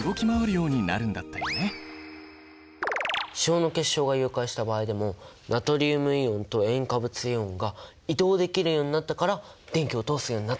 塩の結晶が融解した場合でもナトリウムイオンと塩化物イオンが移動できるようになったから電気を通すようになったんだ。